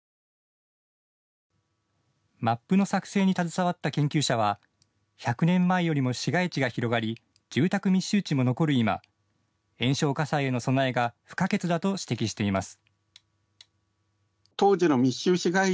マップの作成に携わった研究者は１００年前よりも市街地が広がり住宅密集地も残る今延焼火災への備えが不可欠だと指摘しています。